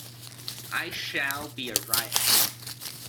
I shall be a riot.